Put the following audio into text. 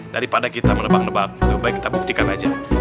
daripada kita menebak nebak lebih baik kita buktikan aja